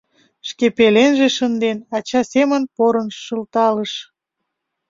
Шке пеленже шынден, ача семын порын шылталыш.